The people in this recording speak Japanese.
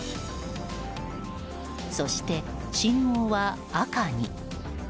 そして、信号は赤に。